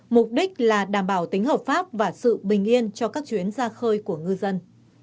mục đích là đảm bảo tính hợp pháp và sự bình yên cho các chuyến ra khơi của ngư dân